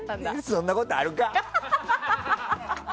そんなことあるか！